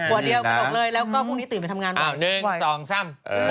กว่าเดียวกระดกเลยแล้วก็พรุ่งนี้ติดไปทำงานบ่อย